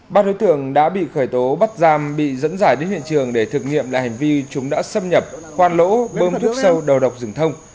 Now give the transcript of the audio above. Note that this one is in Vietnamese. ba đối tượng đã bị khởi tố bắt giam bị dẫn dài đến hiện trường để thực nghiệm lại hành vi chúng đã xâm nhập khoan lỗ bơm thuốc sâu đầu độc rừng thông